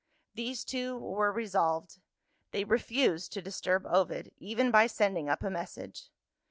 These two were resolved. They refused to disturb Ovid, even by sending up a message.